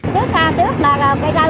trước xa trước là cây rau